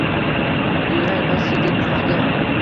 Buyrak va siydik pufagi;